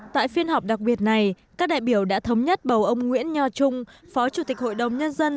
tại phiên họp đặc biệt này các đại biểu đã thống nhất bầu ông nguyễn nho trung phó chủ tịch hội đồng nhân dân